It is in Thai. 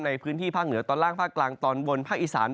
ในพื้นที่ภาคเหนือตอนล่างภาคกลางตอนบนภาคอีสาน